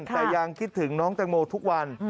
แต่ยังคิดถึงน้องแตงโมทุกวัน